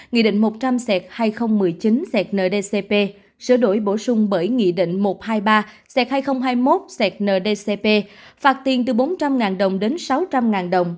nghị định một trăm linh hai nghìn một mươi chín cdcp sửa đổi bổ sung bởi nghị định một trăm hai mươi ba c hai nghìn hai mươi một cdcp phạt tiền từ bốn trăm linh đồng đến sáu trăm linh đồng